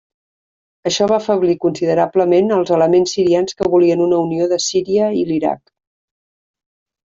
Això va afeblir considerablement als elements sirians que volien una unió de Síria i l'Iraq.